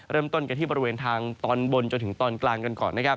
เริ่มต้นกันที่บริเวณทางตอนบนจนถึงตอนกลางกันก่อนนะครับ